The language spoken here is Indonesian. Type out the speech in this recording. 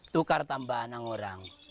tukar tambahan orang